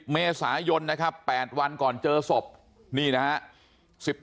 ๑๐เมษายน๘วันก่อนเจอศพนี่นะฮะ